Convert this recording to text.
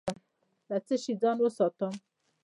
له څه شي ځان وساتم؟